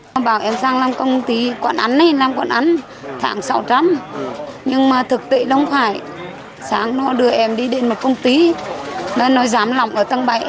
nó bảo em sang làm công ty quản án hay làm quản án thẳng sáu trăm linh nhưng mà thực tị lông khoải sáng nó đưa em đi đến một công ty nó nói giám lỏng ở tầng bảy